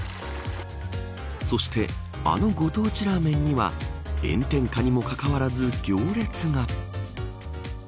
そして、あのご当地ラーメンには炎天下にもかかわらず行列が。